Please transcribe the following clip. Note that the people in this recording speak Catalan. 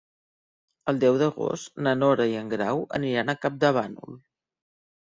El deu d'agost na Nora i en Grau aniran a Campdevànol.